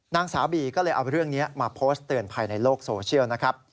นางสาวบีก็เลยเอาเรื่องนี้มาโพสต์เตือนภัยในโลกโซเชียลนะครับ